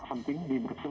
ini penting di brussel